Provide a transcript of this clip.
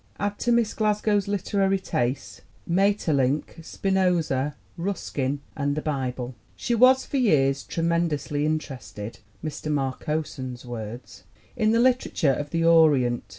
Add to Miss Glasgow's literary tastes Maeterlinck, Spinoza, Ruskin and the Bible. She was for years "tremendously interested" (Mr. Marcosson's words) in the literature of the Orient.